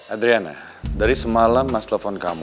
adriana dari semalam mas telpon kamu